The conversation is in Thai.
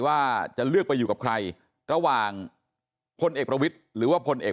ว่าจะเลือกไปอยู่กับใครระหว่างพลเอกประวิทย์หรือว่าพลเอก